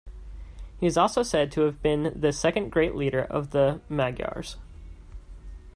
He is also said to have been the second great leader of the Magyars.